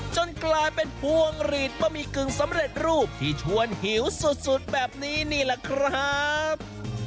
จนกลายเป็นพวงหลีดบะหมี่กึ่งสำเร็จรูปที่ชวนหิวสุดแบบนี้นี่แหละครับ